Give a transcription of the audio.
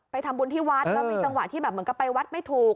ทำบุญที่วัดแล้วมีจังหวะที่แบบเหมือนกับไปวัดไม่ถูก